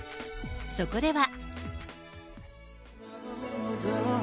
そこでは。